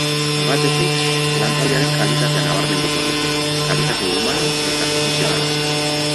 Batetik, lan-taldearen kalitatea nabarmenduko nuke, kalitate humano eta profesionala.